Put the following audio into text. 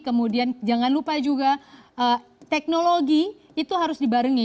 kemudian jangan lupa juga teknologi itu harus dibarengi